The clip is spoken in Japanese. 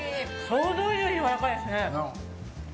想像以上にやわらかいですね。